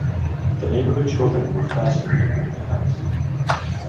The neighborhood children were fascinated with the house.